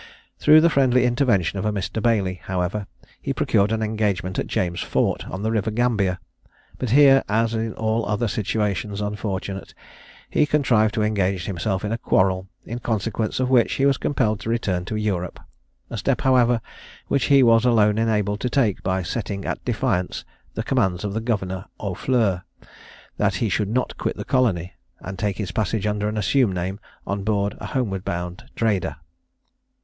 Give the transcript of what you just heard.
Through the friendly intervention of a Mr. Bailey, however, he procured an engagement at James Fort, on the river Gambia, but here, as in all other situations unfortunate, he contrived to engage himself in a quarrel, in consequence of which he was compelled to return to Europe a step, however, which he was alone enabled to take by setting at defiance the commands of the Governor Aufleur, that he should not quit the colony and take his passage under an assumed name on board a homeward bound trader.